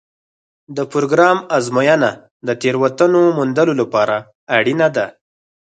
د پروګرام ازموینه د تېروتنو موندلو لپاره اړینه ده.